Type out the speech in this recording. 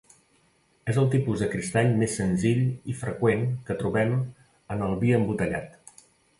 És el tipus de cristall més senzill i freqüent que trobem en el vi embotellat.